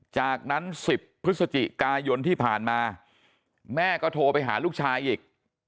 จากนั้น๑๐พฤศจิกายนที่ผ่านมาแม่ก็โทรไปหาลูกชายอีก